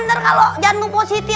ntar kalau janggung posisi